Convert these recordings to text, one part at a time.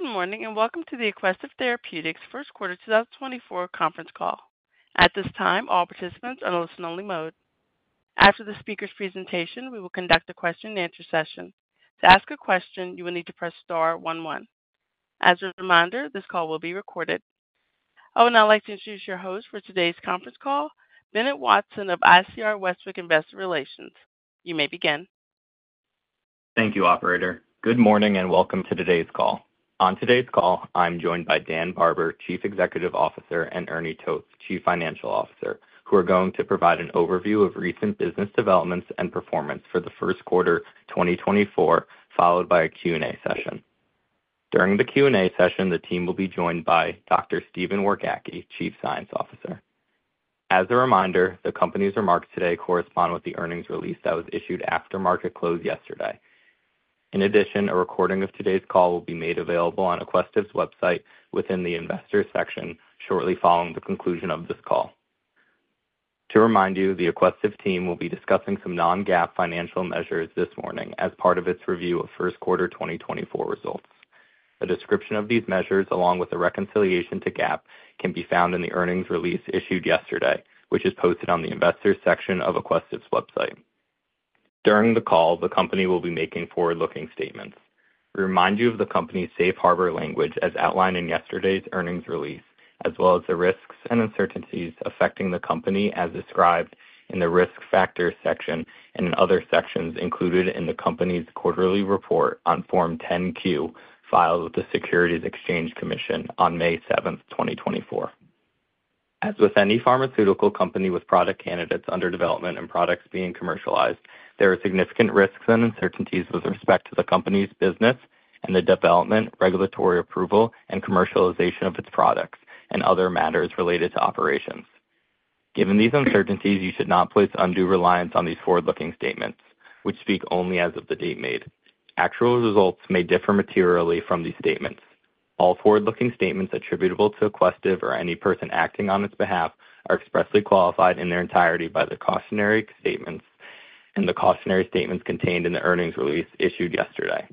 Good morning, and welcome to the Aquestive Therapeutics first quarter 2024 conference call. At this time, all participants are in listen-only mode. After the speaker's presentation, we will conduct a question-and-answer session. To ask a question, you will need to press star one, one. As a reminder, this call will be recorded. I would now like to introduce your host for today's conference call, Bennett Watson of ICR Westwicke Investor Relations. You may begin. Thank you, operator. Good morning, and welcome to today's call. On today's call, I'm joined by Dan Barber, Chief Executive Officer, and Ernie Toth, Chief Financial Officer, who are going to provide an overview of recent business developments and performance for the first quarter 2024, followed by a Q&A session. During the Q&A session, the team will be joined by Dr. Stephen Wrzosek, Chief Science Officer. As a reminder, the company's remarks today correspond with the earnings release that was issued after market close yesterday. In addition, a recording of today's call will be made available on Aquestive's website within the Investors section shortly following the conclusion of this call. To remind you, the Aquestive team will be discussing some non-GAAP financial measures this morning as part of its review of first quarter 2024 results. A description of these measures, along with a reconciliation to GAAP, can be found in the earnings release issued yesterday, which is posted on the Investors section of Aquestive's website. During the call, the company will be making forward-looking statements. We remind you of the company's safe harbor language as outlined in yesterday's earnings release, as well as the risks and uncertainties affecting the company as described in the Risk Factors section and in other sections included in the company's quarterly report on Form 10-Q, filed with the Securities and Exchange Commission on May 7, 2024. As with any pharmaceutical company with product candidates under development and products being commercialized, there are significant risks and uncertainties with respect to the company's business and the development, regulatory approval, and commercialization of its products and other matters related to operations. Given these uncertainties, you should not place undue reliance on these forward-looking statements, which speak only as of the date made. Actual results may differ materially from these statements. All forward-looking statements attributable to Aquestive or any person acting on its behalf are expressly qualified in their entirety by the cautionary statements, and the cautionary statements contained in the earnings release issued yesterday.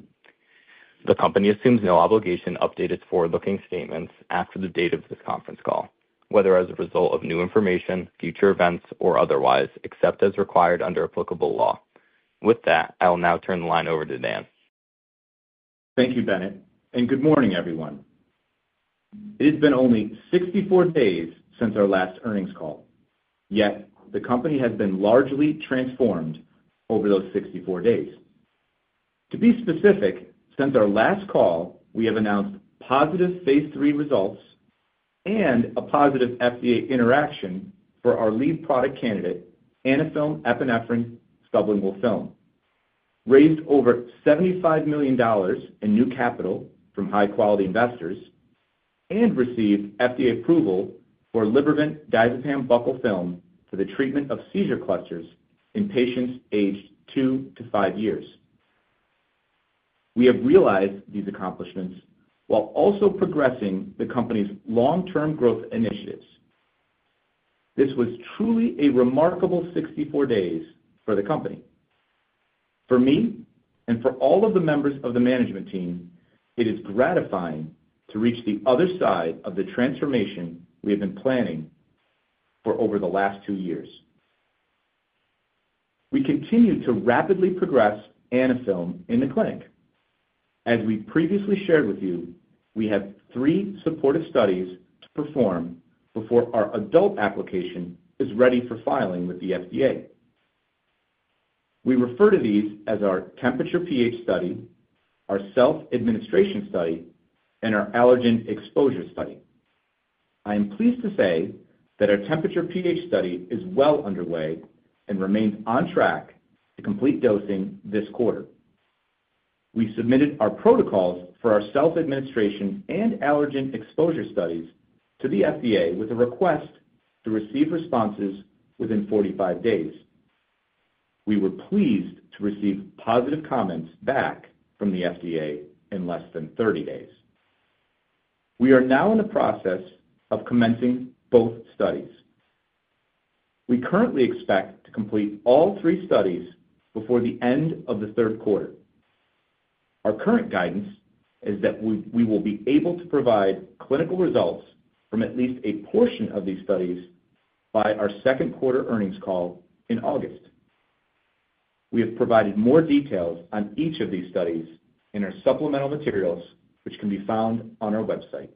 The company assumes no obligation to update its forward-looking statements after the date of this conference call, whether as a result of new information, future events, or otherwise, except as required under applicable law. With that, I will now turn the line over to Dan. Thank you, Bennett, and good morning, everyone. It has been only 64 days since our last earnings call, yet the company has been largely transformed over those 64 days. To be specific, since our last call, we have announced positive phase III results and a positive FDA interaction for our lead product candidate, Anaphylm epinephrine sublingual film, raised over $75 million in new capital from high-quality investors, and received FDA approval for Libervant diazepam buccal film for the treatment of seizure clusters in patients aged two to five years. We have realized these accomplishments while also progressing the company's long-term growth initiatives. This was truly a remarkable 64 days for the company. For me, and for all of the members of the management team, it is gratifying to reach the other side of the transformation we have been planning for over the last two years. We continue to rapidly progress Anaphylm in the clinic. As we previously shared with you, we have three supportive studies to perform before our adult application is ready for filing with the FDA. We refer to these as our temperature pH study, our self-administration study, and our allergen exposure study. I am pleased to say that our temperature pH study is well underway and remains on track to complete dosing this quarter. We submitted our protocols for our self-administration and allergen exposure studies to the FDA with a request to receive responses within 45 days. We were pleased to receive positive comments back from the FDA in less than 30 days. We are now in the process of commencing both studies. We currently expect to complete all three studies before the end of the third quarter. Our current guidance is that we will be able to provide clinical results from at least a portion of these studies by our second quarter earnings call in August. We have provided more details on each of these studies in our supplemental materials, which can be found on our website.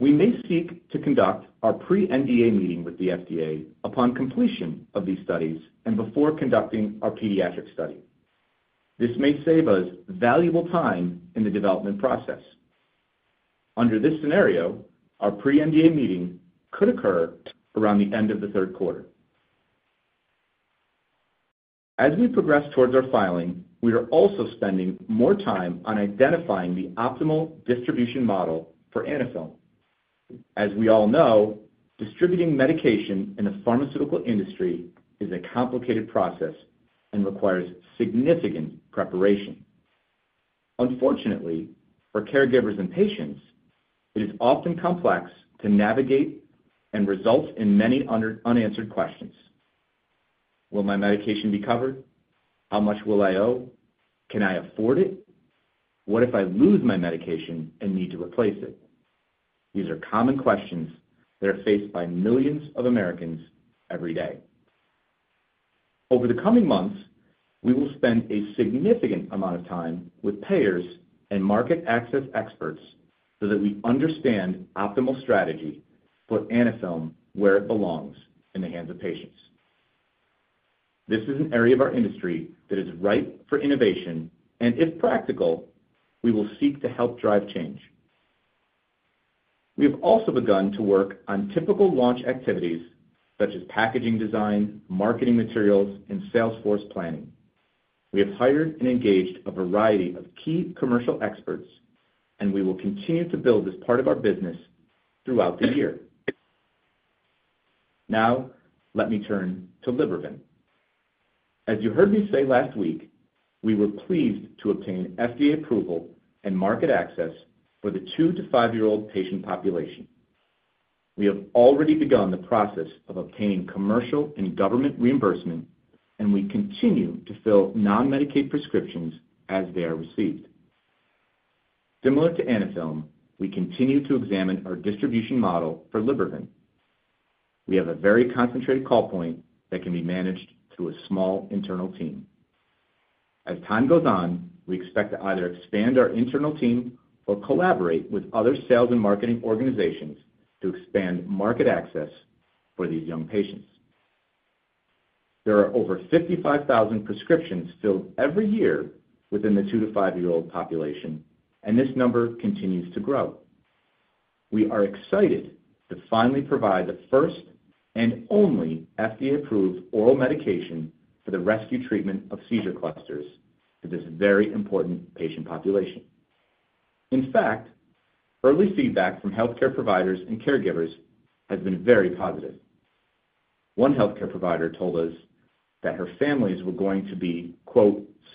We may seek to conduct our Pre-NDA meeting with the FDA upon completion of these studies and before conducting our pediatric study. This may save us valuable time in the development process. Under this scenario, our Pre-NDA meeting could occur around the end of the third quarter. As we progress towards our filing, we are also spending more time on identifying the optimal distribution model for Anaphylm. As we all know, distributing medication in the pharmaceutical industry is a complicated process and requires significant preparation. Unfortunately, for caregivers and patients, it is often complex to navigate and results in many unanswered questions. Will my medication be covered? How much will I owe? Can I afford it? What if I lose my medication and need to replace it? These are common questions that are faced by millions of Americans every day. Over the coming months, we will spend a significant amount of time with payers and market access experts so that we understand optimal strategy for Anaphylm, where it belongs, in the hands of patients. This is an area of our industry that is ripe for innovation, and if practical, we will seek to help drive change. We have also begun to work on typical launch activities such as packaging, design, marketing materials, and sales force planning. We have hired and engaged a variety of key commercial experts, and we will continue to build this part of our business throughout the year. Now, let me turn to Libervant. As you heard me say last week, we were pleased to obtain FDA approval and market access for the 2- to 5-year-old patient population. We have already begun the process of obtaining commercial and government reimbursement, and we continue to fill non-Medicaid prescriptions as they are received. Similar to Anaphylm, we continue to examine our distribution model for Libervant. We have a very concentrated call point that can be managed through a small internal team. As time goes on, we expect to either expand our internal team or collaborate with other sales and marketing organizations to expand market access for these young patients. There are over 55,000 prescriptions filled every year within the two to five year-old population, and this number continues to grow. We are excited to finally provide the first and only FDA-approved oral medication for the rescue treatment of seizure clusters to this very important patient population. In fact, early feedback from healthcare providers and caregivers has been very positive. One healthcare provider told us that her families were going to be,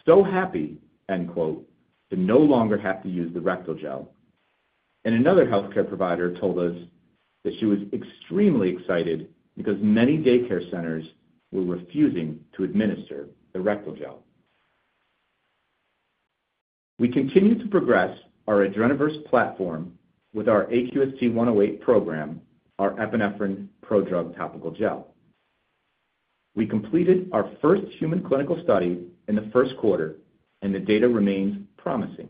"so happy," to no longer have to use the rectal gel. Another healthcare provider told us that she was extremely excited because many daycare centers were refusing to administer the rectal gel. We continue to progress our Adreniverse platform with our AQST-108 program, our epinephrine prodrug topical gel. We completed our first human clinical study in the first quarter, and the data remains promising.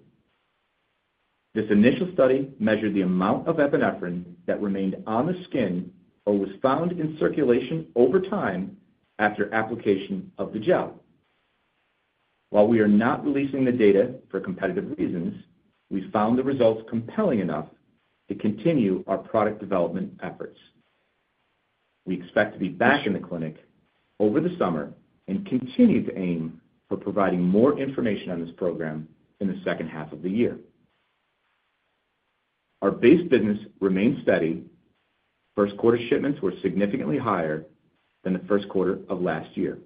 This initial study measured the amount of epinephrine that remained on the skin or was found in circulation over time after application of the gel. While we are not releasing the data for competitive reasons, we found the results compelling enough to continue our product development efforts. We expect to be back in the clinic over the summer and continue to aim for providing more information on this program in the second half of the year. Our base business remains steady. First quarter shipments were significantly higher than the first quarter of last year.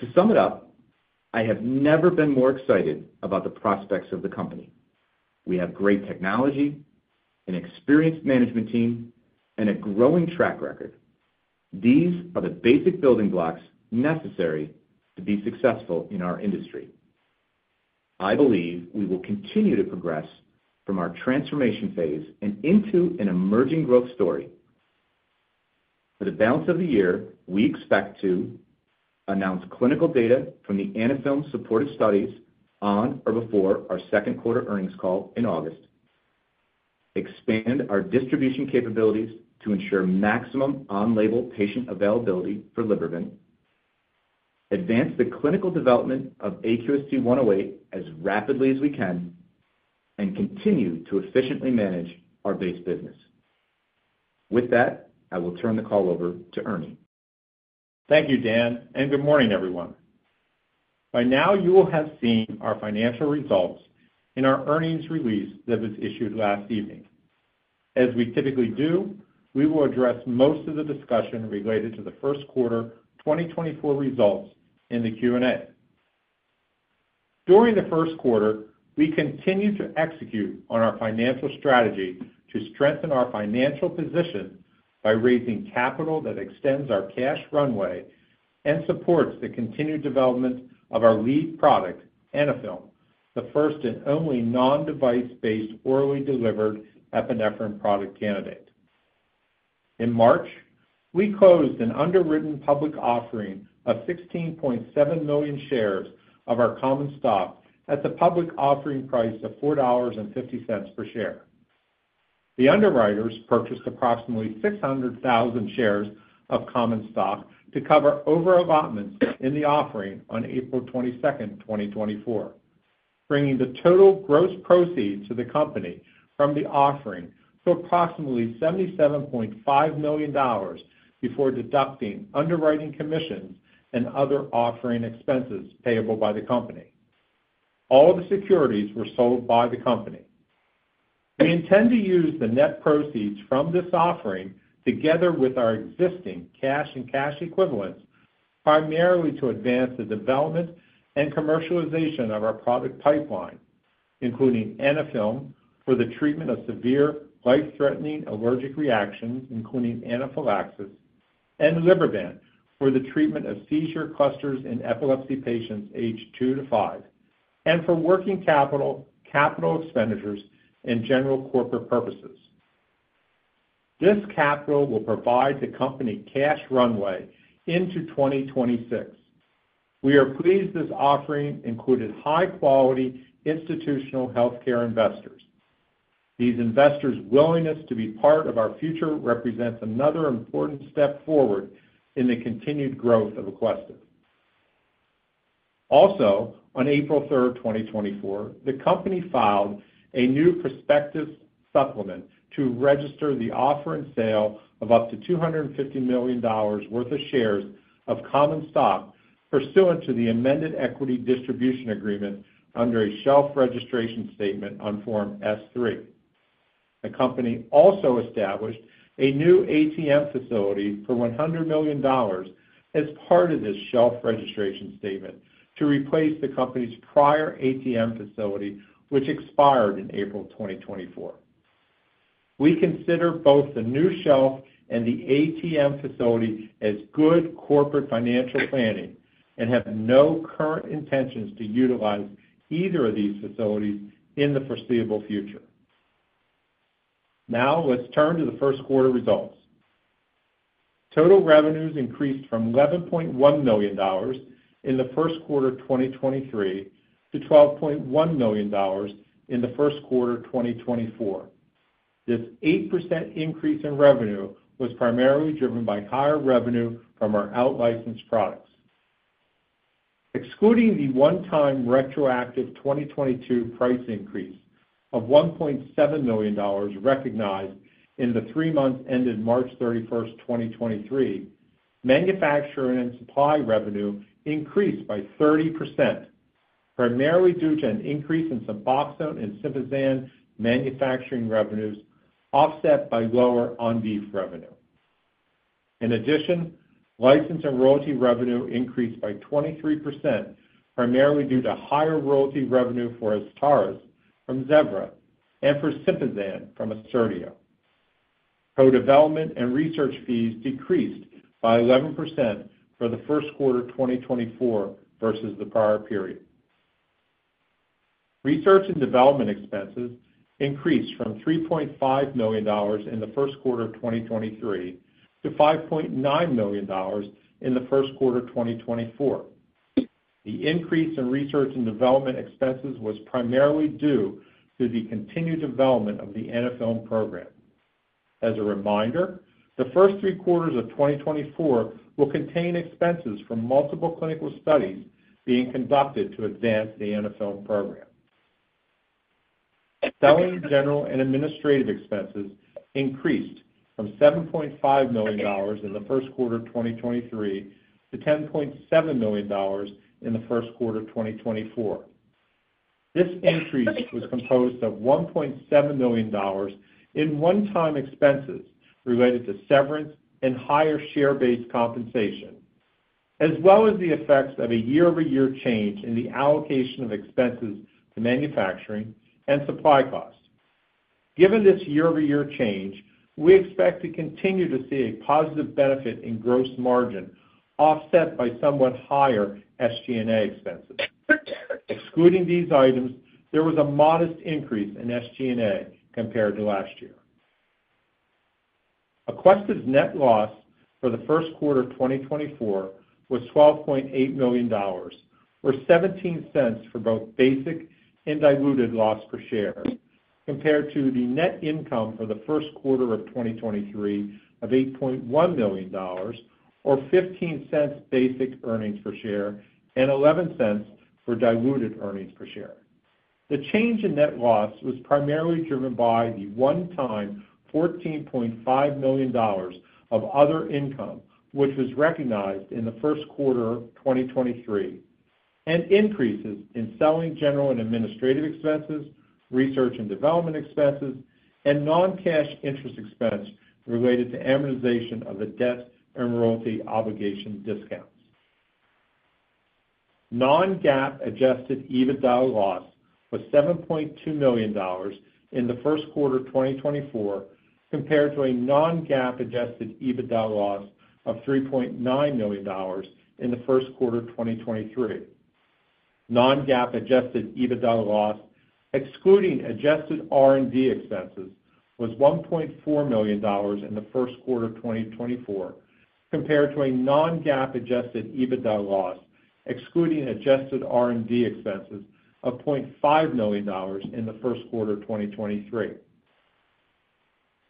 To sum it up, I have never been more excited about the prospects of the company. We have great technology, an experienced management team, and a growing track record. These are the basic building blocks necessary to be successful in our industry. I believe we will continue to progress from our transformation phase and into an emerging growth story. For the balance of the year, we expect to announce clinical data from the Anaphylm supportive studies on or before our second quarter earnings call in August, expand our distribution capabilities to ensure maximum on-label patient availability for Libervant, advance the clinical development of AQST-108 as rapidly as we can, and continue to efficiently manage our base business. With that, I will turn the call over to Ernie. Thank you, Dan, and good morning, everyone. By now, you will have seen our financial results in our earnings release that was issued last evening. As we typically do, we will address most of the discussion related to the first quarter 2024 results in the Q&A. During the first quarter, we continued to execute on our financial strategy to strengthen our financial position by raising capital that extends our cash runway and supports the continued development of our lead product, Anaphylm, the first and only non-device-based, orally delivered epinephrine product candidate. In March, we closed an underwritten public offering of 16.7 million shares of our common stock at the public offering price of $4.50 per share. The underwriters purchased approximately 600,000 shares of common stock to cover over-allotments in the offering on April 22, 2024, bringing the total gross proceeds to the company from the offering to approximately $77.5 million before deducting underwriting commissions and other offering expenses payable by the company. All of the securities were sold by the company. We intend to use the net proceeds from this offering together with our existing cash and cash equivalents, primarily to advance the development and commercialization of our product pipeline, including Anaphylm for the treatment of severe life-threatening allergic reactions, including anaphylaxis, and Libervant for the treatment of seizure clusters in epilepsy patients aged two to five, and for working capital, capital expenditures, and general corporate purposes. This capital will provide the company cash runway into 2026. We are pleased this offering included high-quality institutional healthcare investors. These investors' willingness to be part of our future represents another important step forward in the continued growth of Aquestive. Also, on April 3, 2024, the company filed a new prospectus supplement to register the offer and sale of up to $250 million worth of shares of common stock pursuant to the amended equity distribution agreement under a shelf registration statement on Form S-3. The company also established a new ATM facility for $100 million as part of this shelf registration statement to replace the company's prior ATM facility, which expired in April 2024. We consider both the new shelf and the ATM facility as good corporate financial planning and have no current intentions to utilize either of these facilities in the foreseeable future. Now, let's turn to the first quarter results. Total revenues increased from $11.1 million in the first quarter of 2023 to $12.1 million in the first quarter of 2024. This 8% increase in revenue was primarily driven by higher revenue from our out-licensed products. Excluding the one-time retroactive 2022 price increase of $1.7 million recognized in the three months ended March 31, 2023, manufacturing and supply revenue increased by 30%, primarily due to an increase in Suboxone and Sympazan manufacturing revenues, offset by lower Indivior revenue. In addition, license and royalty revenue increased by 23%, primarily due to higher royalty revenue for Azstarys from Zevra and for Sympazan from Assertio. Co-development and research fees decreased by 11% for the first quarter of 2024 versus the prior period. Research and development expenses increased from $3.5 million in the first quarter of 2023 to $5.9 million in the first quarter of 2024. The increase in research and development expenses was primarily due to the continued development of the Anaphylm program. As a reminder, the first three quarters of 2024 will contain expenses from multiple clinical studies being conducted to advance the Anaphylm program. Selling, general, and administrative expenses increased from $7.5 million in the first quarter of 2023 to $10.7 million in the first quarter of 2024. This increase was composed of $1.7 million in one-time expenses related to severance and higher share-based compensation, as well as the effects of a year-over-year change in the allocation of expenses to manufacturing and supply costs. Given this year-over-year change, we expect to continue to see a positive benefit in gross margin, offset by somewhat higher SG&A expenses. Excluding these items, there was a modest increase in SG&A compared to last year. Aquestive's net loss for the first quarter of 2024 was $12.8 million, or $0.17 for both basic and diluted loss per share, compared to the net income for the first quarter of 2023 of $8.1 million, or $0.15 basic earnings per share, and $0.11 for diluted earnings per share. The change in net loss was primarily driven by the one-time $14.5 million of other income, which was recognized in the first quarter of 2023, and increases in selling, general, and administrative expenses, research and development expenses, and non-cash interest expense related to amortization of the debt and royalty obligation discounts. Non-GAAP adjusted EBITDA loss was $7.2 million in the first quarter of 2024, compared to a non-GAAP adjusted EBITDA loss of $3.9 million in the first quarter of 2023. Non-GAAP adjusted EBITDA loss, excluding adjusted R&D expenses, was $1.4 million in the first quarter of 2024, compared to a non-GAAP adjusted EBITDA loss, excluding adjusted R&D expenses, of $0.5 million in the first quarter of 2023.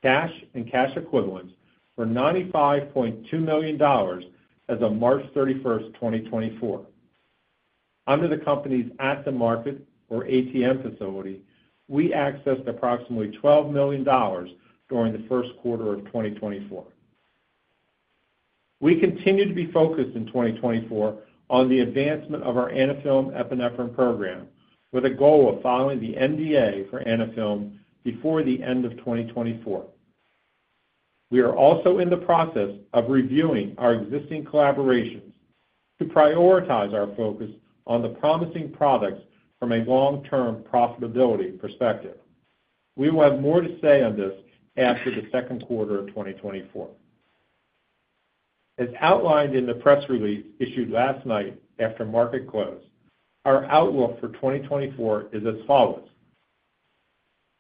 Cash and cash equivalents were $95.2 million as of March 31, 2024. Under the company's at-the-market, or ATM facility, we accessed approximately $12 million during the first quarter of 2024. We continue to be focused in 2024 on the advancement of our Anaphylm epinephrine program, with a goal of filing the NDA for Anaphylm before the end of 2024. We are also in the process of reviewing our existing collaborations to prioritize our focus on the promising products from a long-term profitability perspective. We will have more to say on this after the second quarter of 2024. As outlined in the press release issued last night after market close, our outlook for 2024 is as follows: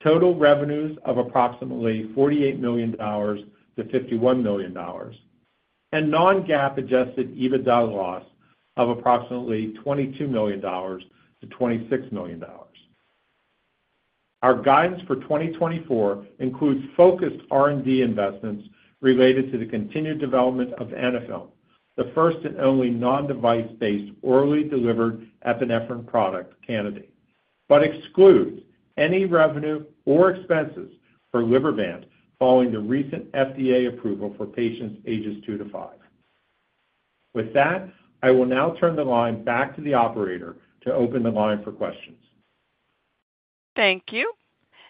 total revenues of approximately $48 million-$51 million and non-GAAP adjusted EBITDA loss of approximately $22 million-$26 million. Our guidance for 2024 includes focused R&D investments related to the continued development of Anaphylm, the first and only non-device-based orally delivered epinephrine product candidate, but excludes any revenue or expenses for Libervant following the recent FDA approval for patients ages two to five. With that, I will now turn the line back to the operator to open the line for questions. Thank you.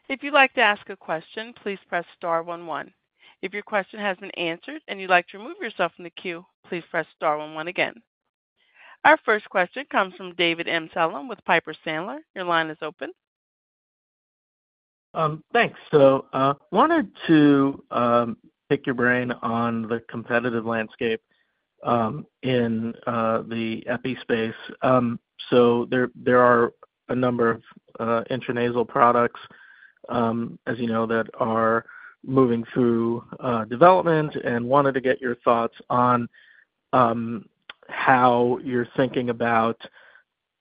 If you'd like to ask a question, please press star one one. If your question has been answered and you'd like to remove yourself from the queue, please press star one one again. Our first question comes from David Amsellem with Piper Sandler. Your line is open. Thanks. So wanted to pick your brain on the competitive landscape in the epi space. So there are a number of intranasal products, as you know, that are moving through development. And wanted to get your thoughts on how you're thinking about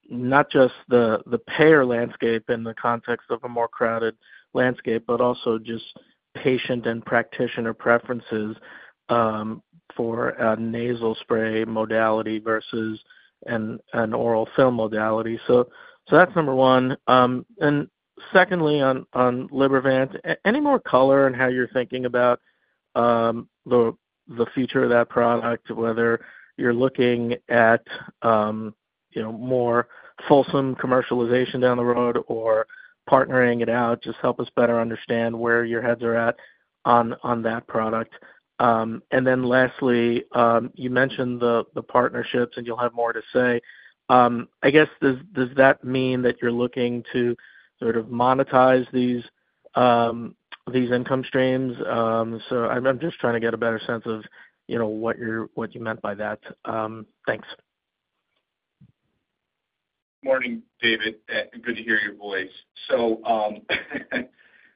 not just the payer landscape in the context of a more crowded landscape, but also just patient and practitioner preferences for a nasal spray modality versus an oral film modality. So that's number one. And secondly, on Libervant, any more color on how you're thinking about the future of that product, whether you're looking at you know, more fulsome commercialization down the road or partnering it out? Just help us better understand where your heads are at on that product. And then lastly, you mentioned the, the partnerships, and you'll have more to say. I guess, does, does that mean that you're looking to sort of monetize these, these income streams? So I'm, I'm just trying to get a better sense of, you know, what you're-- what you meant by that. Thanks. Morning, David, good to hear your voice. So,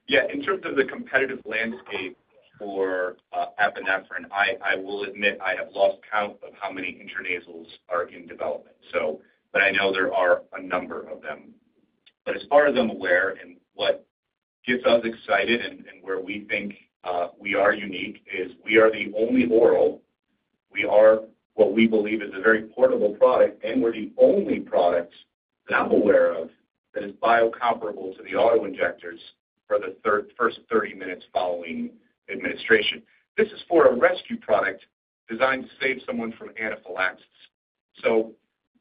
yeah, in terms of the competitive landscape for epinephrine, I will admit I have lost count of how many intranasals are in development, so but I know there are a number of them. But as far as I'm aware and what gets us excited and where we think we are unique is we are the only oral. We are what we believe is a very portable product, and we're the only product that I'm aware of that is biocompatible to the auto injectors for the first thirty minutes following administration. This is for a rescue product designed to save someone from anaphylaxis. So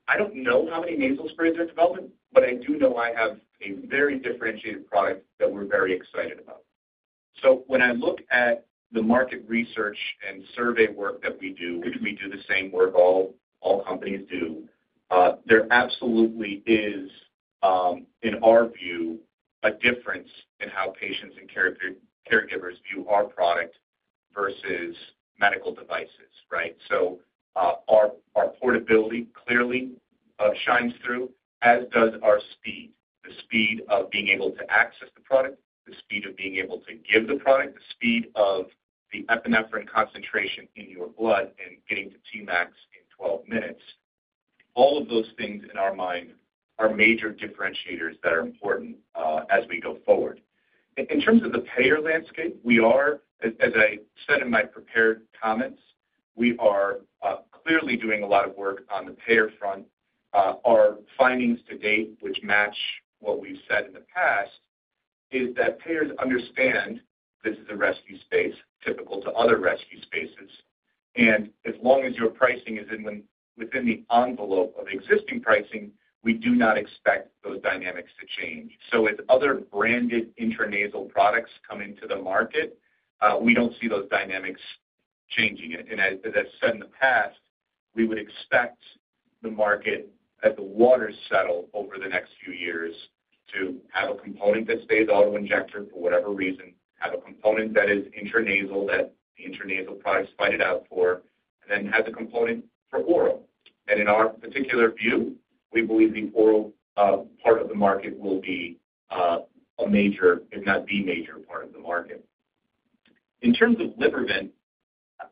I don't know how many nasal sprays are in development, but I do know I have a very differentiated product that we're very excited about. So when I look at the market research and survey work that we do, which we do the same work all companies do, there absolutely is, in our view, a difference in how patients and caregivers view our product versus medical devices, right? Our portability clearly shines through, as does our speed. The speed of being able to access the product, the speed of being able to give the product, the speed of the epinephrine concentration in your blood and getting to Tmax in 12 minutes. All of those things, in our mind, are major differentiators that are important as we go forward. In terms of the payer landscape, we are, as I said in my prepared comments, clearly doing a lot of work on the payer front. Our findings to date, which match what we've said in the past, is that payers understand this is a rescue space typical to other rescue spaces, and as long as your pricing is within the envelope of existing pricing, we do not expect those dynamics to change. So as other branded intranasal products come into the market, we don't see those dynamics changing. And as I've said in the past, we would expect the market, as the waters settle over the next few years, to have a component that stays auto-injector for whatever reason, have a component that is intranasal, that the intranasal products fight it out for, and then have a component for oral. And in our particular view, we believe the oral part of the market will be a major, if not the major part of the market. In terms of Libervant,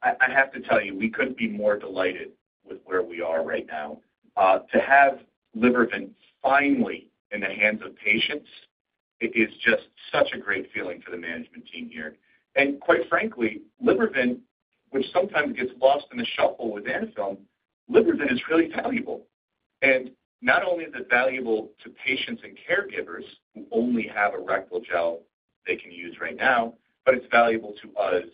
I have to tell you, we couldn't be more delighted with where we are right now. To have Libervant finally in the hands of patients, it is just such a great feeling for the management team here. And quite frankly, Libervant, which sometimes gets lost in the shuffle with Anaphylm, Libervant is really valuable. And not only is it valuable to patients and caregivers who only have rectal gel they can use right now, but it's valuable to us,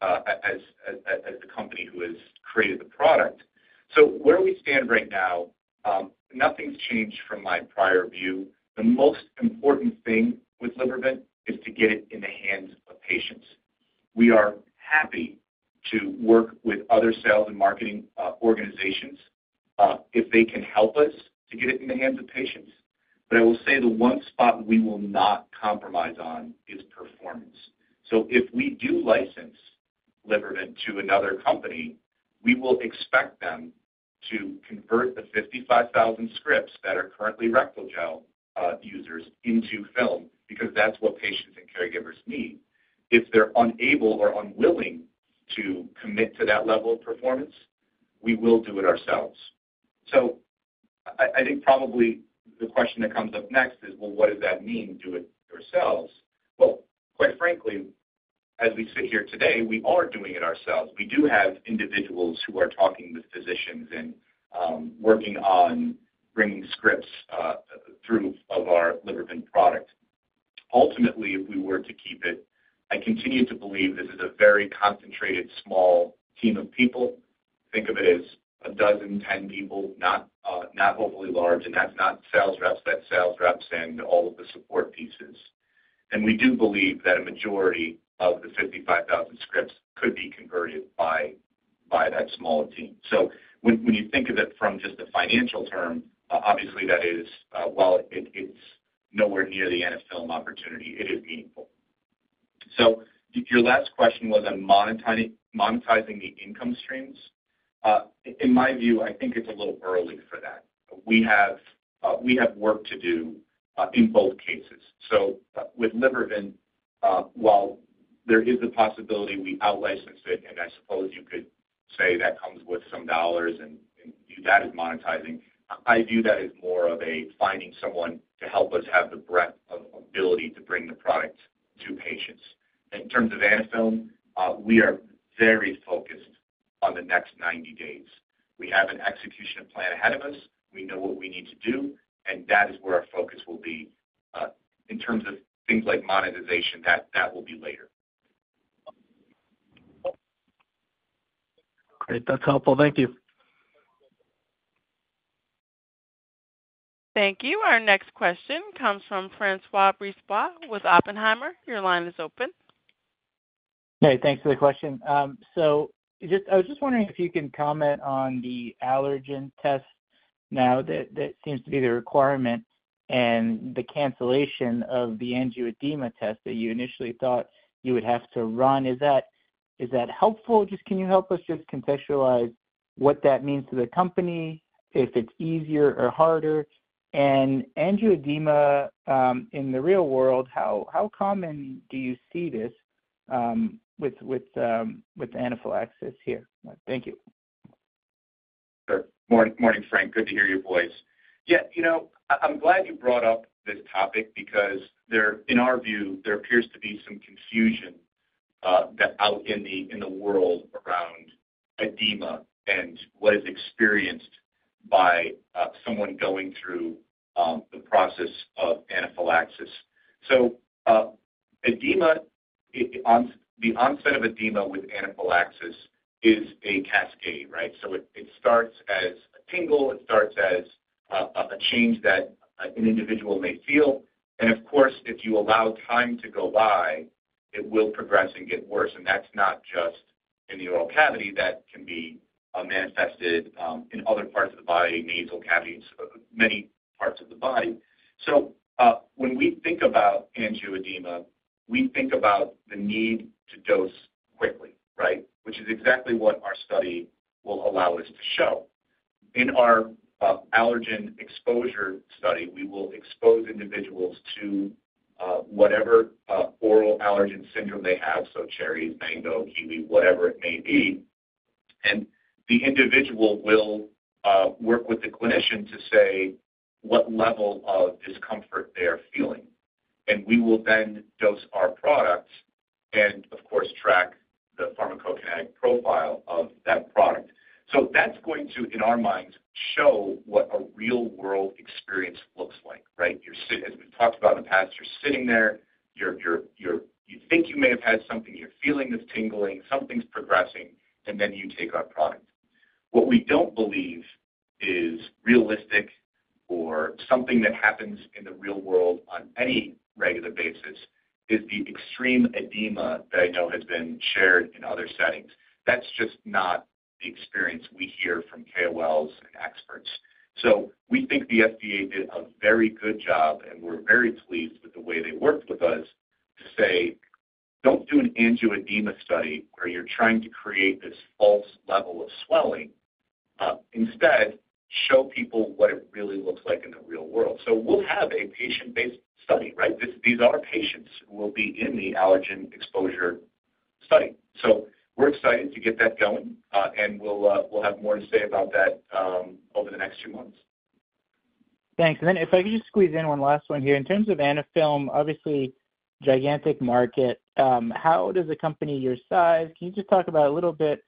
as the company who has created the product. So where we stand right now, nothing's changed from my prior view. The most important thing with Libervant is to get it in the hands of patients. We are happy to work with other sales and marketing organizations, if they can help us to get it in the hands of patients. But I will say the one spot we will not compromise on is performance. So if we do license Libervant to another company, we will expect them to convert the 55,000 scripts that are currently rectal gel users into film, because that's what patients and caregivers need. If they're unable or unwilling to commit to that level of performance, we will do it ourselves. So I think probably the question that comes up next is, well, what does that mean, do it yourselves? Well, quite frankly, as we sit here today, we are doing it ourselves. We do have individuals who are talking with physicians and working on bringing scripts through of our Libervant product. Ultimately, if we were to keep it, I continue to believe this is a very concentrated, small team of people. Think of it as 12, 10 people, not overly large, and that's not sales reps, that's sales reps and all of the support pieces. We do believe that a majority of the 55,000 scripts could be converted by that small team. So when you think of it from just a financial term, obviously, that is, while it, it's nowhere near the Anaphylm opportunity, it is meaningful. So your last question was on monetizing, monetizing the income streams. In my view, I think it's a little early for that. We have work to do in both cases. So, with Libervant, while there is a possibility we out-license it, and I suppose you could say that comes with some dollars and view that as monetizing, I view that as more of a finding someone to help us have the breadth of ability to bring the product to patients. In terms of Anaphylm, we are very focused on the next 90 days. We have an execution plan ahead of us. We know what we need to do, and that is where our focus will be. In terms of things like monetization, that will be later. Great. That's helpful. Thank you. Thank you. Our next question comes from François Brisebois with Oppenheimer. Your line is open. Hey, thanks for the question. So just, I was just wondering if you can comment on the allergen test now, that seems to be the requirement, and the cancellation of the angioedema test that you initially thought you would have to run. Is that helpful? Just, can you help us just contextualize what that means to the company, if it's easier or harder? And angioedema, in the real world, how common do you see this with anaphylaxis here? Thank you. Sure. Morning, morning, Frank. Good to hear your voice. Yeah, you know, I'm glad you brought up this topic because in our view, there appears to be some confusion that out in the world around edema and what is experienced by someone going through the process of anaphylaxis. So, edema in the onset of edema with anaphylaxis is a cascade, right? So it starts as a tingle, it starts as a change that an individual may feel. And of course, if you allow time to go by, it will progress and get worse. And that's not just in the oral cavity, that can be manifested in other parts of the body, nasal cavities, many parts of the body. So, when we think about angioedema, we think about the need to dose quickly, right? Which is exactly what our study will allow us to show. In our allergen exposure study, we will expose individuals to whatever oral allergy syndrome they have, so cherries, mango, kiwi, whatever it may be, and the individual will work with the clinician to say what level of discomfort they are feeling. We will then dose our products and of course, track the pharmacokinetic profile of that product. So that's going to, in our minds, show what a real-world experience looks like, right? You're sitting there, as we've talked about in the past, you're sitting there, you think you may have had something, you're feeling this tingling, something's progressing, and then you take our product. What we don't believe is realistic or something that happens in the real world on any regular basis, is the extreme edema that I know has been shared in other settings. That's just not the experience we hear from KOLs and experts. So we think the FDA did a very good job, and we're very pleased with the way they worked with us to say: Don't do an angioedema study, where you're trying to create this false level of swelling. Instead, show people what it really looks like in the real world. So we'll have a patient-based study, right? These are patients who will be in the allergen exposure study. So we're excited to get that going, and we'll have more to say about that over the next few months. Thanks. And then if I could just squeeze in one last one here. In terms of Anaphylm, obviously, gigantic market, how does a company your size... Can you just talk about a little bit,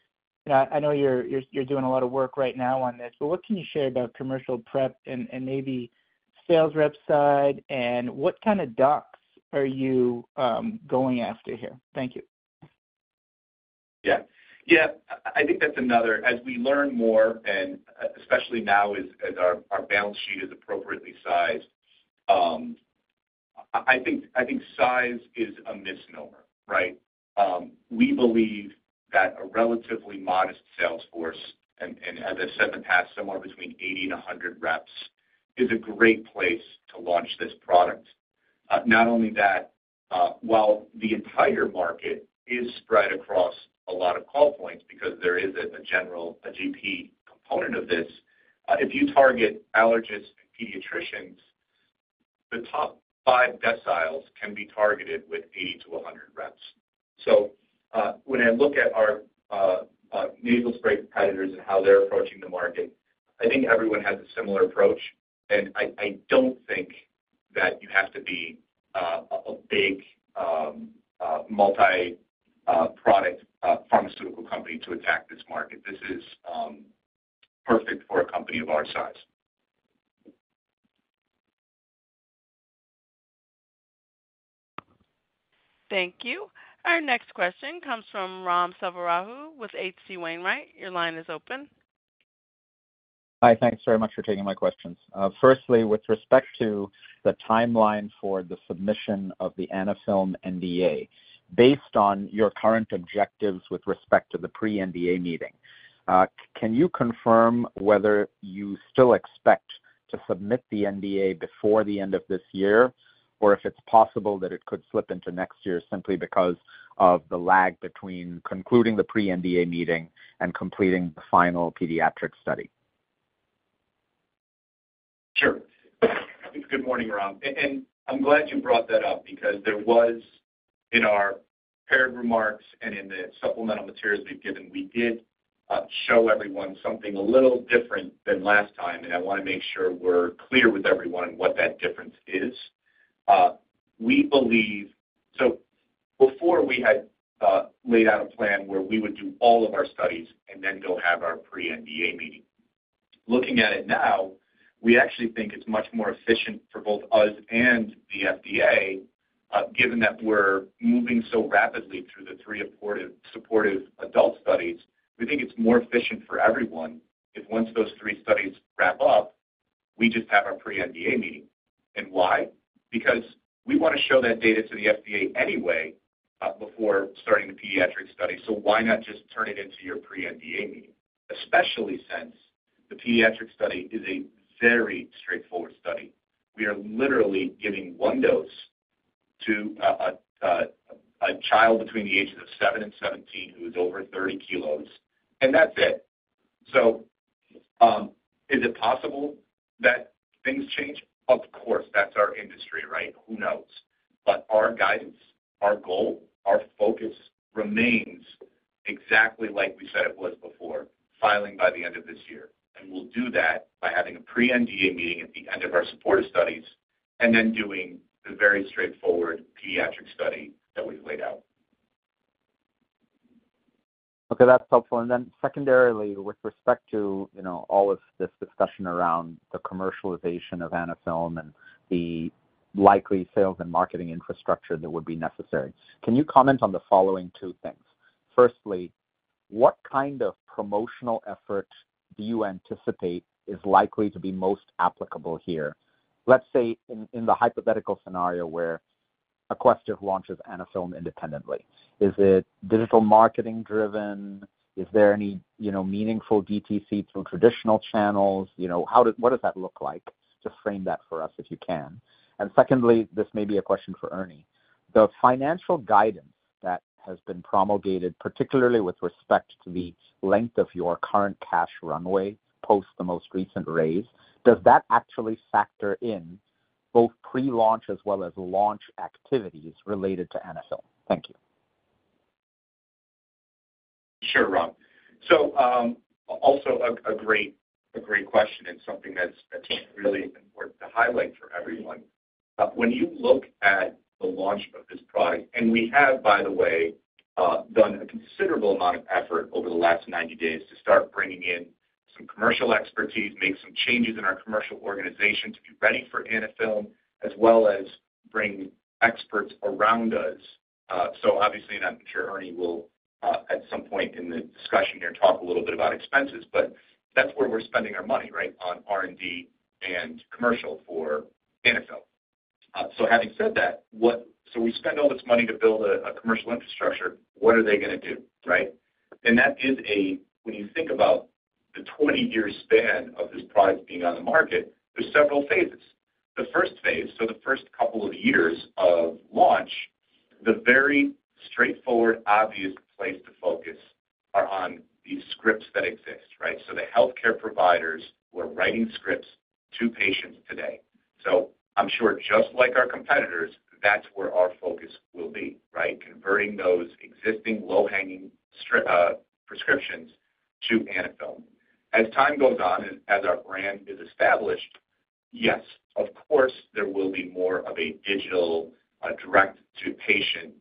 I know you're, you're, you're doing a lot of work right now on this, but what can you share about commercial prep and, and maybe sales rep side, and what kind of docs are you going after here? Thank you. Yeah. Yeah, I think that's another, as we learn more, and especially now as our balance sheet is appropriately sized, I think size is a misnomer, right? We believe that a relatively modest sales force, and as I said in the past, somewhere between 80 and 100 reps, is a great place to launch this product. Not only that, while the entire market is spread across a lot of call points because there is a general GP component of this, if you target allergists and pediatricians, the top five deciles can be targeted with 80 reps-100 reps. So, when I look at our nasal spray competitors and how they're approaching the market, I think everyone has a similar approach. I don't think that you have to be a big multi-product pharmaceutical company to attack this market. This is perfect for a company of our size. Thank you. Our next question comes from Ram Selvaraju with H.C. Wainwright. Your line is open. Hi, thanks very much for taking my questions. Firstly, with respect to the timeline for the submission of the Anaphylm NDA, based on your current objectives with respect to the pre-NDA meeting, can you confirm whether you still expect to submit the NDA before the end of this year, or if it's possible that it could slip into next year simply because of the lag between concluding the pre-NDA meeting and completing the final pediatric study? Sure. Good morning, Ram. And I'm glad you brought that up because there was, in our prepared remarks and in the supplemental materials we've given, we did show everyone something a little different than last time, and I wanna make sure we're clear with everyone what that difference is. We believe. So before we had laid out a plan where we would do all of our studies and then go have our pre-NDA meeting. Looking at it now, we actually think it's much more efficient for both us and the FDA, given that we're moving so rapidly through the three supportive adult studies, we think it's more efficient for everyone if once those three studies wrap up, we just have our pre-NDA meeting. And why? Because we wanna show that data to the FDA anyway, before starting the pediatric study. So why not just turn it into your Pre-NDA meeting, especially since the pediatric study is a very straightforward study? We are literally giving one dose to a child between the ages of seven and 17, who is over 30kg, and that's it. So, is it possible that things change? Of course, that's our industry, right? Who knows? But our guidance, our goal, our focus remains exactly like we said it was before, filing by the end of this year. And we'll do that by having a Pre-NDA meeting at the end of our supportive studies and then doing the very straightforward pediatric study that we've laid out. Okay, that's helpful. And then secondarily, with respect to, you know, all of this discussion around the commercialization of Anaphylm and the likely sales and marketing infrastructure that would be necessary, can you comment on the following two things? Firstly, what kind of promotional effort do you anticipate is likely to be most applicable here, let's say in, in the hypothetical scenario where Aquestive launches Anaphylm independently? Is it digital marketing driven? Is there any, you know, meaningful DTC through traditional channels? You know, what does that look like? Just frame that for us, if you can. And secondly, this may be a question for Ernie. The financial guidance that has been promulgated, particularly with respect to the length of your current cash runway, post the most recent raise, does that actually factor in both pre-launch as well as launch activities related to Anaphylm? Thank you. Sure, Ram. So, also a great question and something that's really important to highlight for everyone. When you look at the launch of this product, and we have, by the way, done a considerable amount of effort over the last 90 days to start bringing in some commercial expertise, make some changes in our commercial organization to be ready for Anaphylm, as well as bring experts around us. So obviously, and I'm sure Ernie will, at some point in the discussion here, talk a little bit about expenses, but that's where we're spending our money, right? On R&D and commercial for Anaphylm. So having said that, so we spend all this money to build a commercial infrastructure. What are they gonna do, right? That is, when you think about the 20-year span of this product being on the market, there's several phases. The first phase, so the first couple of years of launch, the very straightforward, obvious place to focus are on the scripts that exist, right? So the healthcare providers who are writing scripts to patients today. So I'm sure, just like our competitors, that's where our focus will be, right? Converting those existing low-hanging script prescriptions to Anaphylm. As time goes on and as our brand is established, yes, of course, there will be more of a digital, direct-to-patient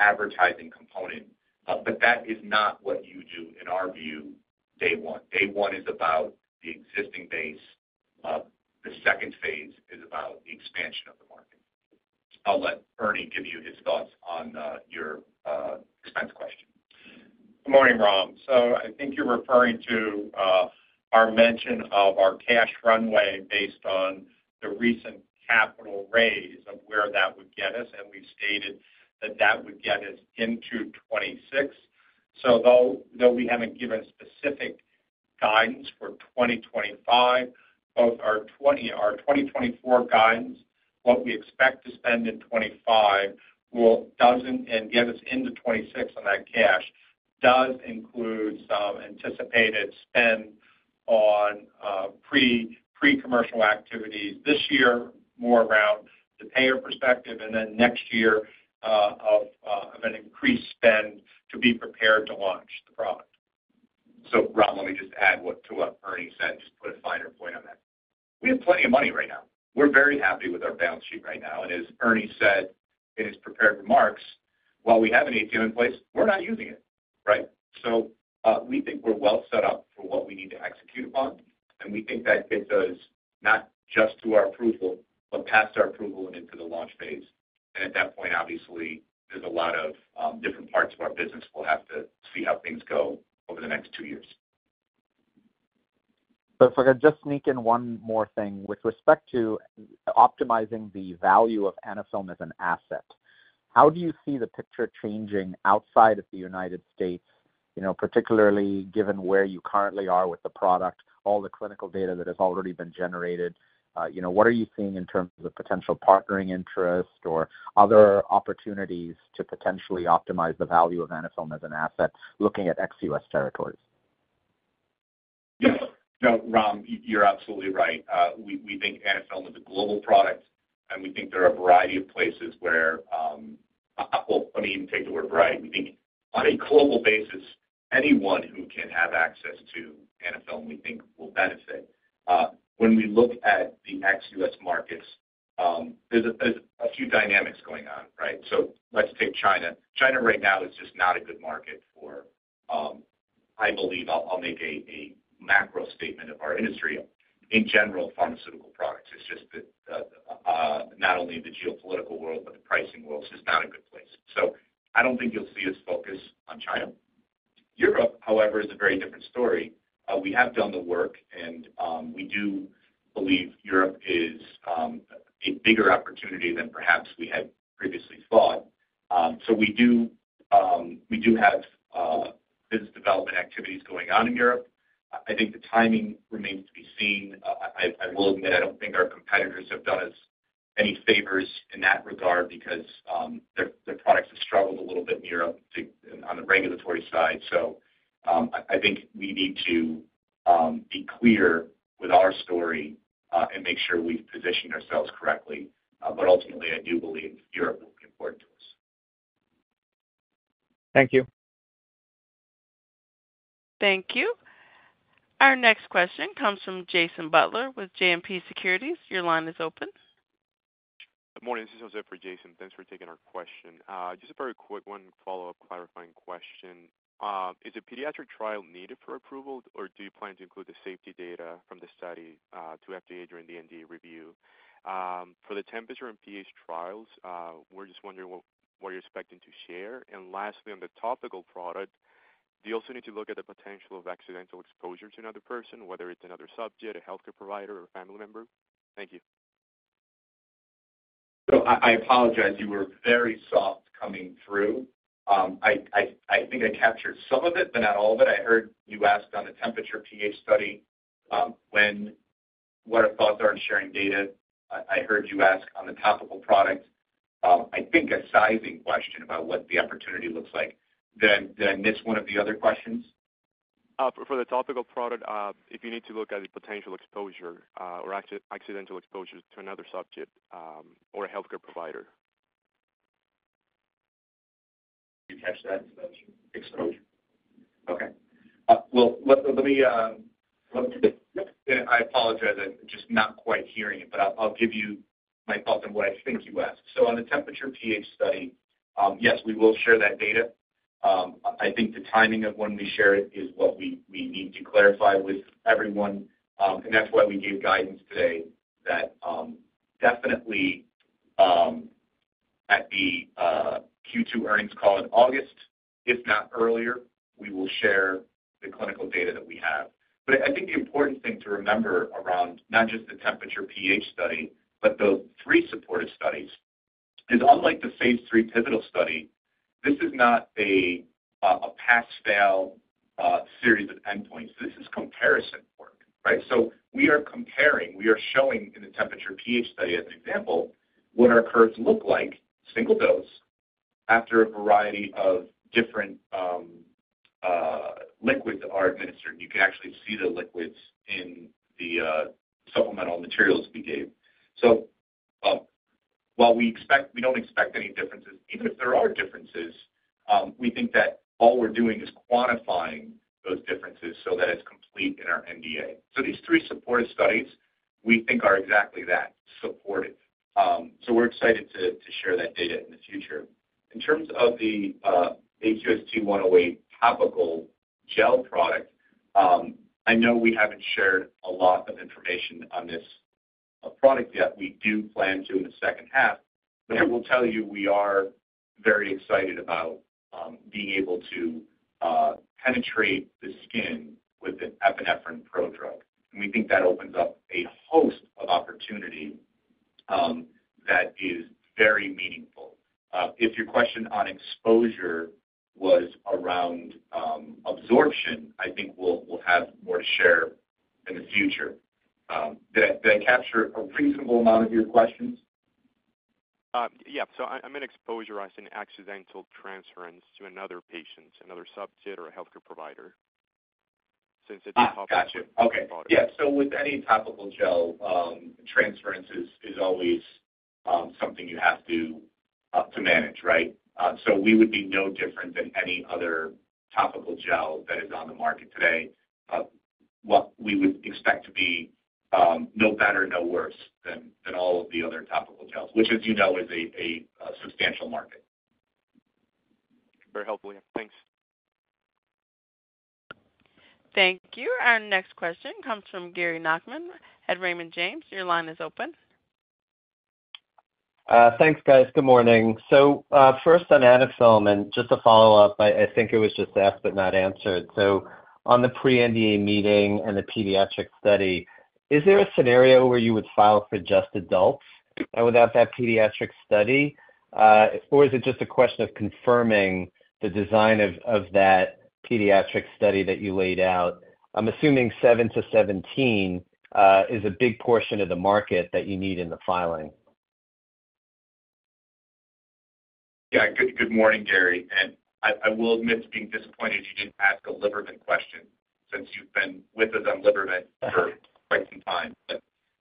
advertising component. But that is not what you do, in our view, day one. Day one is about the existing base, the second phase is about the expansion of the market. I'll let Ernie give you his thoughts on your expense question. Good morning, Ram. So I think you're referring to our mention of our cash runway based on the recent capital raise of where that would get us, and we've stated that that would get us into 2026. So though we haven't given specific guidance for 2025, both our 2024 guidance, what we expect to spend in 2025 will, doesn't, and get us into 2026 on that cash, does include some anticipated spend on pre-commercial activities this year, more around the payer perspective, and then next year of an increased spend to be prepared to launch the product. So, Ram, let me just add what to what Ernie said, just put a finer point on that. We have plenty of money right now. We're very happy with our balance sheet right now, and as Ernie said in his prepared remarks, while we have an ATM in place, we're not using it, right? So, we think we're well set up for what we need to execute upon, and we think that it does not just to our approval, but past our approval and into the launch phase. And at that point, obviously, there's a lot of different parts of our business. We'll have to see how things go over the next two years. So if I could just sneak in one more thing. With respect to optimizing the value of Anaphylm as an asset, how do you see the picture changing outside of the United States? You know, particularly given where you currently are with the product, all the clinical data that has already been generated, you know, what are you seeing in terms of potential partnering interest or other opportunities to potentially optimize the value of Anaphylm as an asset, looking at ex-US territories? Yes. No, Ram, you're absolutely right. We think Anaphylm is a global product, and we think there are a variety of places where... Well, let me take the word variety. We think on a global basis, anyone who can have access to Anaphylm, we think will benefit. When we look at the ex-U.S. markets, there's a few dynamics going on, right? So let's take China. China right now is just not a good market for, I believe I'll make a macro statement of our industry. In general, pharmaceutical products, it's just that, not only the geopolitical world, but the pricing world is just not a good place. So I don't think you'll see us focus on China. Europe, however, is a very different story. We have done the work, and we do believe Europe is a bigger opportunity than perhaps we had previously thought. So we do have business development activities going on in Europe. I think the timing remains to be seen. I will admit, I don't think our competitors have done us any favors in that regard because their products have struggled a little bit in Europe too, on the regulatory side. So I think we need to be clear with our story, and make sure we position ourselves correctly. But ultimately, I do believe Europe will be important to us. Thank you. Thank you. Our next question comes from Jason Butler with JMP Securities. Your line is open. Good morning, this is José for Jason. Thanks for taking our question. Just a very quick one follow-up clarifying question. Is a pediatric trial needed for approval, or do you plan to include the safety data from the study to FDA during the NDA review? For the temperature and pH trials, we're just wondering what you're expecting to share. And lastly, on the topical product, do you also need to look at the potential of accidental exposure to another person, whether it's another subject, a healthcare provider or a family member? Thank you. So I apologize, you were very soft coming through. I think I captured some of it, but not all of it. I heard you asked on the temperature pH study, when, what our thoughts are on sharing data. I heard you ask on the topical product, I think a sizing question about what the opportunity looks like. Did I miss one of the other questions? For the topical product, if you need to look at the potential exposure, or accidental exposure to another subject, or a healthcare provider. Did you catch that? Exposure. Exposure. Okay. Well, let me... I apologize. I'm just not quite hearing it, but I'll give you my thoughts on what I think you asked. So on the temperature pH study, yes, we will share that data. I think the timing of when we share it is what we need to clarify with everyone. And that's why we gave guidance today that definitely at the Q2 earnings call in August, if not earlier, we will share the clinical data that we have. But I think the important thing to remember around not just the temperature pH study, but the three supportive studies, is unlike the phase III pivotal study, this is not a pass-fail series of endpoints. This is comparison work, right? So we are comparing, we are showing in the temperature pH study, as an example, what our curves look like, single dose, after a variety of different liquids are administered. You can actually see the liquids in the supplemental materials we gave. So, while we expect, we don't expect any differences, even if there are differences, we think that all we're doing is quantifying those differences so that it's complete in our NDA. So these three supportive studies, we think are exactly that, supportive. So we're excited to share that data in the future. In terms of the AQST-108 topical gel product. I know we haven't shared a lot of information on this product yet. We do plan to in the second half, but I will tell you, we are very excited about being able to penetrate the skin with an epinephrine prodrug. And we think that opens up a host of opportunity that is very meaningful. If your question on exposure was around absorption, I think we'll, we'll have more to share in the future. Did I, did I capture a reasonable amount of your questions? So I'm going to exposure as an accidental transference to another patient, another subject, or a healthcare provider, since it is- Ah, got you. Okay. Yeah. So with any topical gel, transference is always something you have to manage, right? So we would be no different than any other topical gel that is on the market today. What we would expect to be no better, no worse than all of the other topical gels, which as you know, is a substantial market. Very helpful. Yeah, thanks. Thank you. Our next question comes from Gary Nachman at Raymond James. Your line is open. Thanks, guys. Good morning. So, first on Anaphylm and just to follow up, I think it was just asked but not answered. So on the Pre-NDA meeting and the pediatric study, is there a scenario where you would file for just adults and without that pediatric study? Or is it just a question of confirming the design of that pediatric study that you laid out? I'm assuming 7-17 is a big portion of the market that you need in the filing. Yeah. Good, good morning, Gary. I will admit to being disappointed you didn't ask a Libervant question since you've been with us on Libervant for quite some time, but,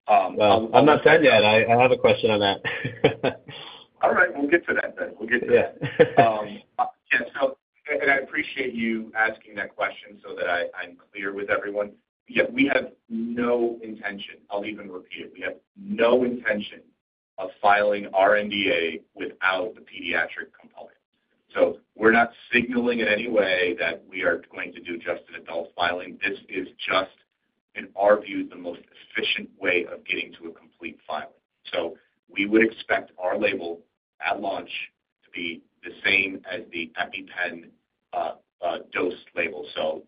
Well, I'm not done yet. I, I have a question on that. All right. We'll get to that then. We'll get to that. Yeah. Yeah, so, and I appreciate you asking that question so that I, I'm clear with everyone. Yeah, we have no intention, I'll even repeat it. We have no intention of filing our NDA without the pediatric component. So we're not signaling in any way that we are going to do just an adult filing. This is just, in our view, the most efficient way of getting to a complete filing. So we would expect our label at launch to be the same as the EpiPen dose label. So,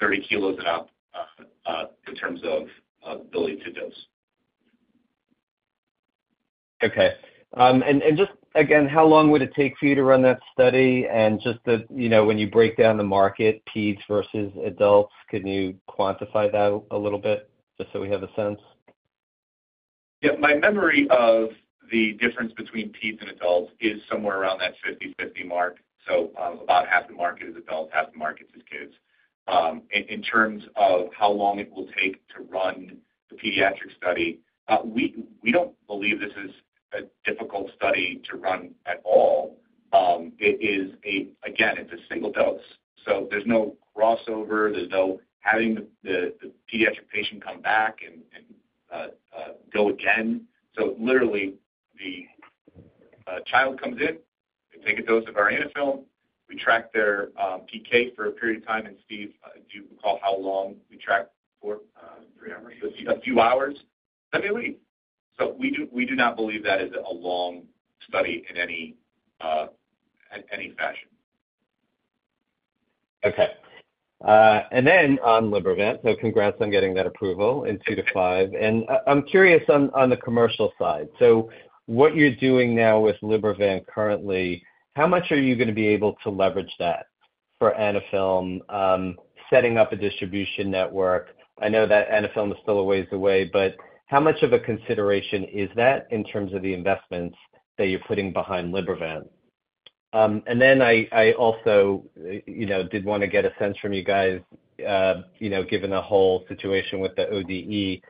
30kg and up, in terms of ability to dose. Okay. Just again, how long would it take for you to run that study? And just the, you know, when you break down the market, peds versus adults, can you quantify that a little bit just so we have a sense? Yeah. My memory of the difference between peds and adults is somewhere around that 50/50 mark. So, about half the market is adults, half the market is kids. In terms of how long it will take to run the pediatric study, we don't believe this is a difficult study to run at all. It is a... Again, it's a single dose, so there's no crossover, there's no having the pediatric patient come back and go again. So literally, the child comes in, they take a dose of our Anaphylm, we track their PK for a period of time, and Steve, do you recall how long we track for? Three hours. A few hours, then they leave. So we do not believe that is a long study in any fashion. Okay. And then on Libervant, so congrats on getting that approval in two to five. And I'm curious on, on the commercial side. So what you're doing now with Libervant currently, how much are you going to be able to leverage that for Anaphylm, setting up a distribution network? I know that Anaphylm is still a ways away, but how much of a consideration is that in terms of the investments that you're putting behind Libervant? And then I also, you know, did want to get a sense from you guys, you know, given the whole situation with the ODE,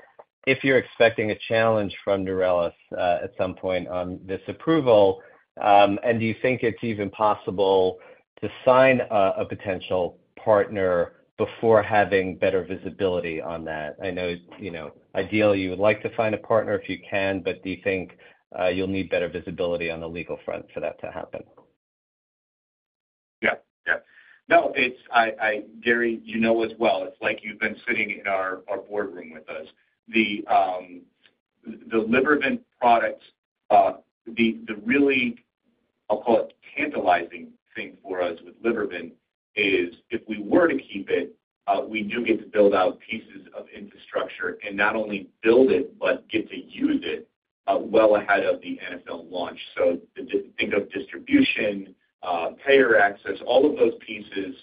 if you're expecting a challenge from Neurelis, at some point on this approval, and do you think it's even possible to sign a potential partner before having better visibility on that? I know, you know, ideally, you would like to find a partner if you can, but do you think you'll need better visibility on the legal front for that to happen? Yeah. Yeah. No, it's... I, Gary, you know as well, it's like you've been sitting in our boardroom with us. The Libervant products, the really, I'll call it tantalizing thing for us with Libervant is if we were to keep it, we do get to build out pieces of infrastructure and not only build it but get to use it, well ahead of the Anaphylm launch. So think of distribution, payer access, all of those pieces,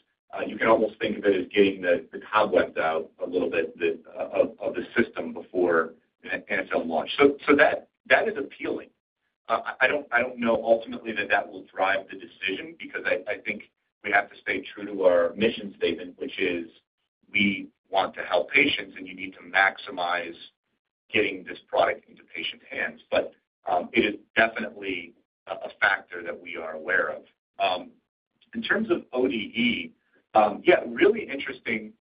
you can almost think of it as getting the cobwebs out a little bit of the system before an Anaphylm launch. So that is appealing. I don't know ultimately that that will drive the decision because I think we have to stay true to our mission statement, which is we want to help patients, and you need to maximize getting this product into patient hands. But it is definitely a factor that we are aware of. In terms of ODE, yeah, really interesting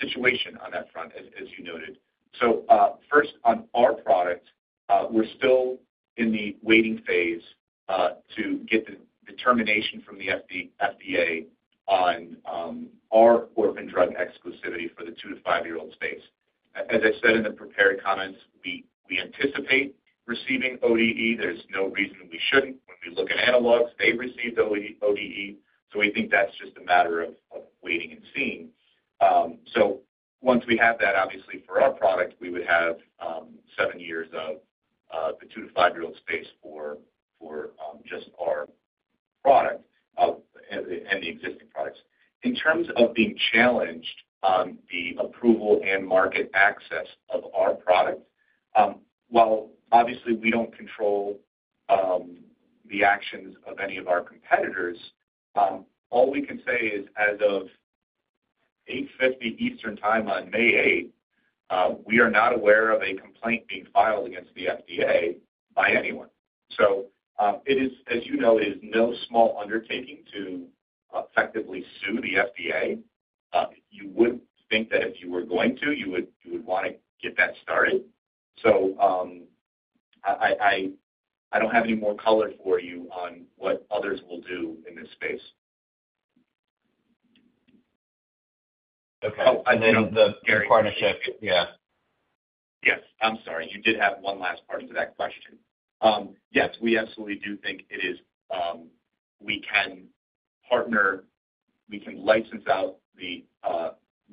situation on that front, as you noted. So first, on our product, we're still in the waiting phase to get the determination from the FDA on our orphan drug exclusivity for the two to five year-old space. As I said in the prepared comments, we anticipate receiving ODE. There's no reason we shouldn't. When we look at analogs, they received ODE, so we think that's just a matter of waiting and seeing. So once we have that, obviously, for our product, we would have seven years of the two to five year-old space for just our product and the existing products. In terms of being challenged on the approval and market access of our product, while obviously we don't control the actions of any of our competitors, all we can say is, as of 8:50 Eastern Time on May 8th, we are not aware of a complaint being filed against the FDA by anyone. So, it is, as you know, it is no small undertaking to effectively sue the FDA. You would think that if you were going to, you would wanna get that started. So, I don't have any more color for you on what others will do in this space. Okay, and then the partnership, yeah. Yes. I'm sorry. You did have one last part to that question. Yes, we absolutely do think it is, we can partner... We can license out the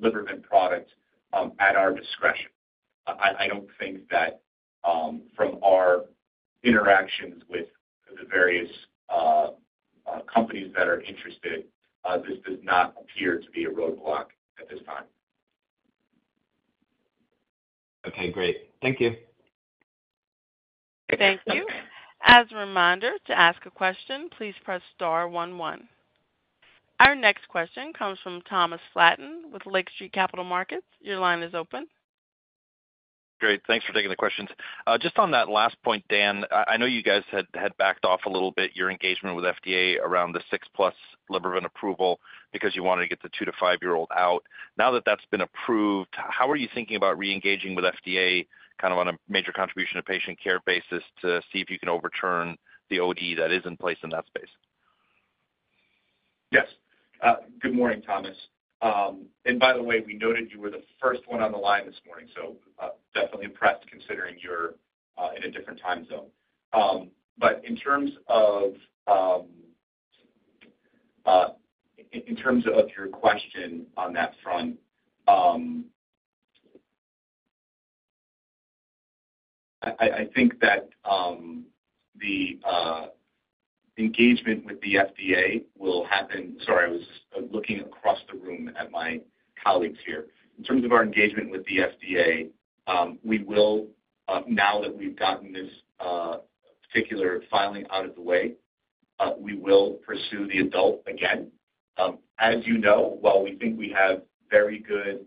Libervant product at our discretion. I, I don't think that, from our interactions with the various companies that are interested, this does not appear to be a roadblock at this time. Okay, great. Thank you. Thank you. As a reminder, to ask a question, please press star one one. Our next question comes from Thomas Flaten with Lake Street Capital Markets. Your line is open. Great. Thanks for taking the questions. Just on that last point, Dan, I know you guys had backed off a little bit, your engagement with FDA around the 6+ Libervant approval because you wanted to get the two to five-year-old out. Now that that's been approved, how are you thinking about reengaging with FDA, kind of on a major contribution to patient care basis, to see if you can overturn the ODE that is in place in that space? Yes. Good morning, Thomas. And by the way, we noted you were the first one on the line this morning, so, definitely impressed, considering you're in a different time zone. But in terms of your question on that front, I think that the engagement with the FDA will happen—Sorry, I was looking across the room at my colleagues here. In terms of our engagement with the FDA, we will, now that we've gotten this particular filing out of the way, we will pursue the adult again. As you know, while we think we have very good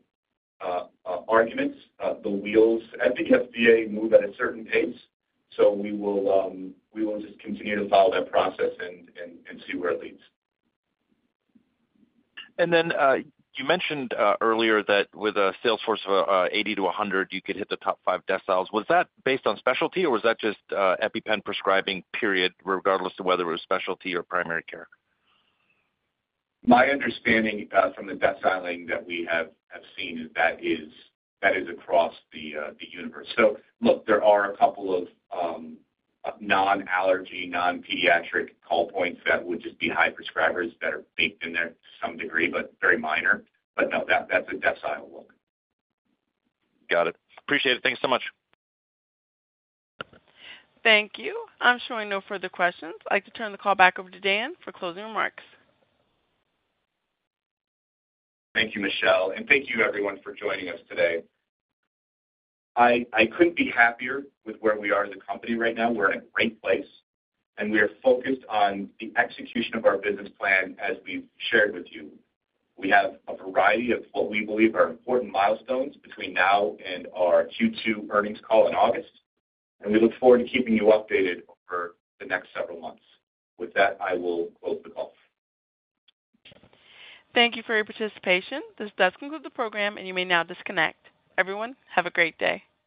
arguments, the wheels at the FDA move at a certain pace, so we will just continue to follow that process and see where it leads. Then, you mentioned earlier that with a sales force of 80-100 reps, you could hit the top five deciles. Was that based on specialty, or was that just EpiPen prescribing period, regardless of whether it was specialty or primary care? My understanding from the deciles that we have seen is. That is across the Adreniverse. So look, there are a couple of non-allergy, non-pediatric call points that would just be high prescribers that are baked in there to some degree, but very minor. But no, that's a decile look. Got it. Appreciate it. Thank you so much. Thank you. I'm showing no further questions. I'd like to turn the call back over to Dan for closing remarks. Thank you, Michelle, and thank you everyone for joining us today. I couldn't be happier with where we are as a company right now. We're in a great place, and we are focused on the execution of our business plan as we've shared with you. We have a variety of what we believe are important milestones between now and our Q2 earnings call in August, and we look forward to keeping you updated over the next several months. With that, I will close the call. Thank you for your participation. This does conclude the program, and you may now disconnect. Everyone, have a great day.